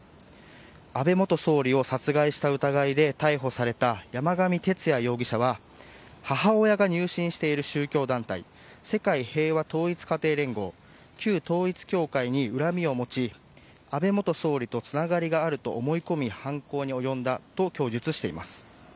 安倍元総理を殺害した疑いで逮捕された山上徹也容疑者は母親が入信している宗教団体世界平和統一家庭連合＝旧統一教会に恨みを持ち安倍元総理とつながりがあると思い込み犯行に及んだと供述しています。